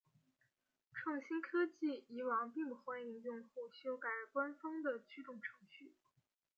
创新科技以往并不欢迎用户修改官方的驱动程序。